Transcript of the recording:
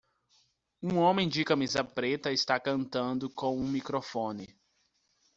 Um homem de camisa preta está cantando com um microfone